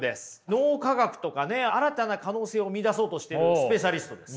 脳科学とかね新たな可能性を見いだそうとしてるスペシャリストです。